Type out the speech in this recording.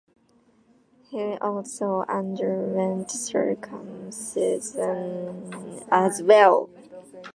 He also underwent circumcision as well.